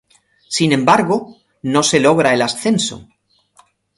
Sin embargo, no se logra el ascenso.